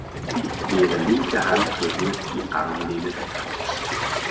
Ihre linke Hand berührt die Armlehne der Couch.